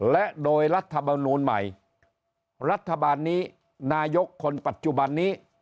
และโดยรัฐมนูลใหม่รัฐบาลนี้นายกคนปัจจุบันนี้